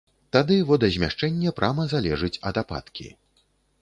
Тады водазмяшчэнне прама залежыць ад ападкі.